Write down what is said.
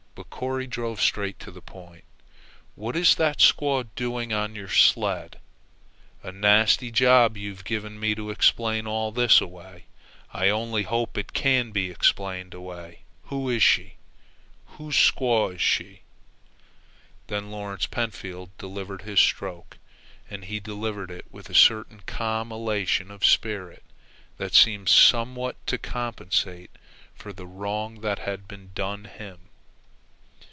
But Corry drove straight to the point. "What is that squaw doing on your sled? A nasty job you've given me to explain all this away. I only hope it can be explained away. Who is she? Whose squaw is she?" Then Lawrence Pentfield delivered his stroke, and he delivered it with a certain calm elation of spirit that seemed somewhat to compensate for the wrong that had been done him.